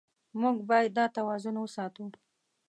موږ باید دا توازن وساتو.